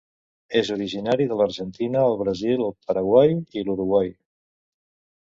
És originari de l'Argentina, el Brasil, el Paraguai i l'Uruguai.